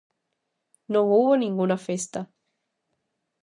Non houbo ningunha festa.